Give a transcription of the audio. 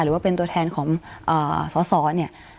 หรือว่าเป็นตัวแทนของสอสอเนี่ย